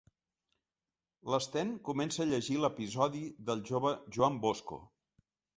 L'Sten comença a llegir l'episodi del jove Joan Bosco.